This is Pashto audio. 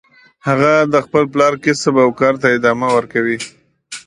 هغه د خپل پلار کسب او کار ته ادامه ورکوي